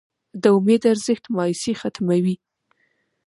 د امید ارزښت مایوسي ختموي.